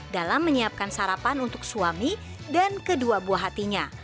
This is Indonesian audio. dalam menyiapkan sarapan untuk suami dan kedua buah hatinya